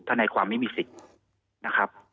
นายความไม่มีสิทธิ์นะครับ